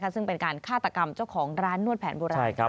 ซึ่งเป็นการฆาตกรรมเจ้าของร้านนวดแผนโบราณ